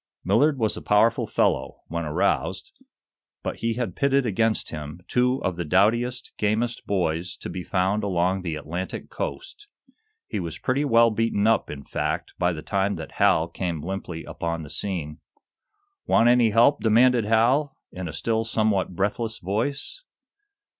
Millard was a powerful fellow, when aroused, but he had pitted against him two of the doughtiest, gamest boys to be found along the Atlantic coast. He was pretty well beaten up, in fact, by the time that Hal came limply upon the scene. "Want any help?" demanded Hal, in a still somewhat breathless voice.